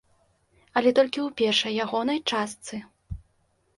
Але толькі ў першай ягонай частцы.